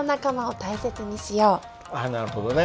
あなるほどね。